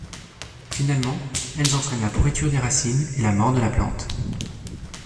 Finalement, elles entraînent la pourriture des racines et la mort de la plante.